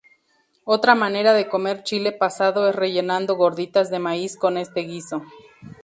Otra manera de comer chile pasado es rellenando gorditas de maíz con este guiso.